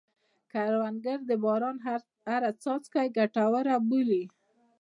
کروندګر د باران هره څاڅکه ګټوره بولي